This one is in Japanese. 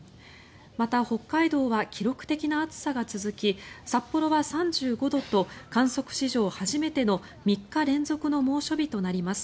また北海道は記録的な暑さが続き札幌は３５度と観測史上初めての３日連続の猛暑日となります。